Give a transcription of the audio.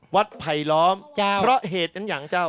วัดพ่ายล้อมเพราะเหตุนั้นอย่างเจ้า